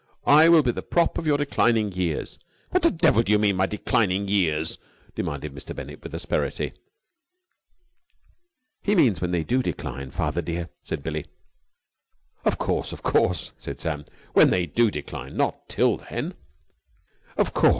I will be the prop of your declining years...." "What the devil do you mean, my declining years?" demanded Mr. Bennett with asperity. "He means when they do decline, father dear," said Billie. "Of course, of course," said Sam. "When they do decline. Not till then, of course!